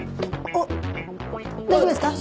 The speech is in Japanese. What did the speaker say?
おっ大丈夫ですか？